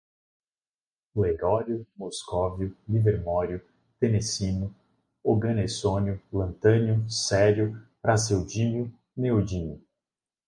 fleróvio, moscóvio, livermório, tenessino, oganessônio, lantânio, cério, praseodímio, neodímio